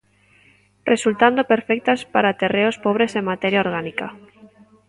Resultando perfectas para terreos pobres en materia orgánica.